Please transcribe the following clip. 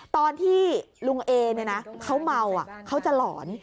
ตอนที่ลุงเอลเขาเมาเขาจะหลอน